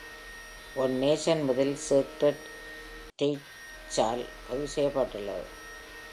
"One nation" முதலில் sacred ரெய்ச்சால் பதிவு செய்யப்பட்டது.